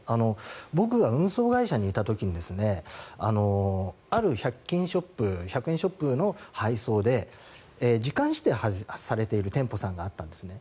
僕が運送会社にいた時ある１００円ショップの配送で時間指定されている店舗さんがあったんですね。